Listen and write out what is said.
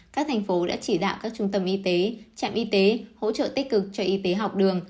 các thành phố đã chỉ đạo các trung tâm y tế trạm y tế hỗ trợ tích cực cho y tế học đường